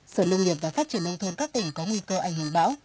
sở nông nghiệp và phát triển nông thôn các tỉnh có nguy cơ ảnh hưởng bão